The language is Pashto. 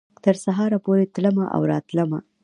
تر سهاره پورې تلمه او راتلمه